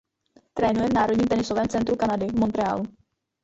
Trénuje v Národním tenisovém centru Kanady v Montréalu.